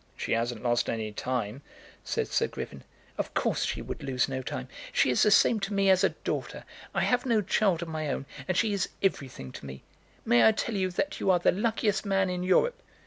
"She hasn't lost any time," said Sir Griffin. "Of course she would lose no time. She is the same to me as a daughter. I have no child of my own, and she is everything to me. May I tell you that you are the luckiest man in Europe?"